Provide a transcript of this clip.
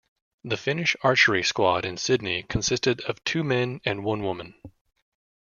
The Finnish archery squad in Sydney consisted of two men and one woman.